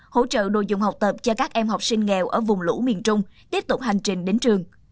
hỗ trợ đồ dùng học tập cho các em học sinh nghèo ở vùng lũ miền trung tiếp tục hành trình đến trường